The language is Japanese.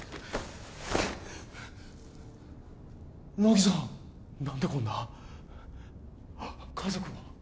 乃木さん何でこんな家族は？